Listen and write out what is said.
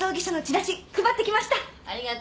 ありがとう。